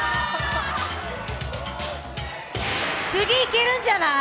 次、いけるんじゃない？